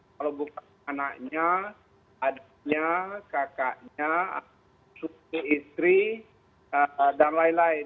kalau bukan anaknya adiknya kakaknya istri dan lain lain